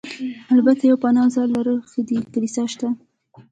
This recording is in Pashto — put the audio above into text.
البته یو پناه ځای لرل ښه دي، کلیسا شته.